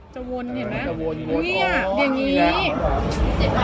จะวนอย่างนี้นะอย่างนี้